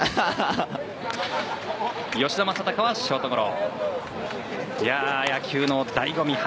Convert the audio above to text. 吉田はショートゴロ。